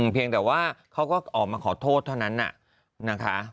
เพียงแต่ว่าเขาก็ออกมาขอโทษเท่านั้นนะคะ